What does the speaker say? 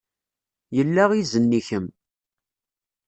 Yella izen i kemm.